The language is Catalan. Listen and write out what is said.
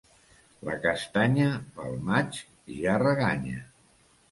La castanya, pel maig, ja reganya.